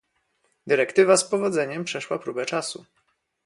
Dyrektywa z powodzeniem przeszła próbę czasu